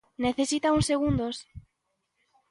¿Necesita uns segundos?